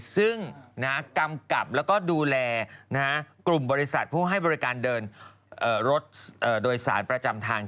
ซึ่งกำกับแล้วก็ดูแลกลุ่มบริษัทผู้ให้บริการเดินรถโดยสารประจำทาง